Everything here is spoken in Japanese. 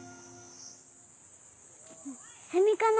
セミかな？